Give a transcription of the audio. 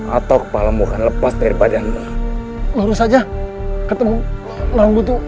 atau kepalamu akan lepas dari badanmu